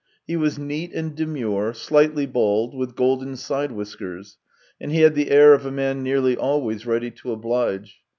He was neat and demure, slightly bald, with golden side whiskers, and he had the air of a man nearly always ready to oblige.